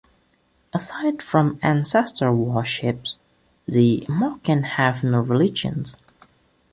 Aside from ancestor worship, the Moken have no religion.